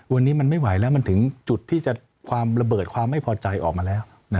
วันนี้มันไม่ไหวแล้วมันถึงจุดที่จะความระเบิดความไม่พอใจออกมาแล้ว